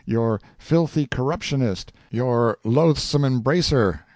your Filthy Corruptionist! your Loathsome Embracer!